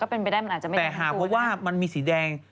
แต่หาเพราะมันมีสีแดง